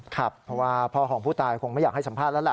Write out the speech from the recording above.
ครับเพราะว่าพ่อของผู้ตายคงไม่อยากให้สัมภาษณ์แล้วล่ะ